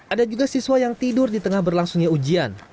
ada juga siswa yang tidur di tengah berlangsungnya ujian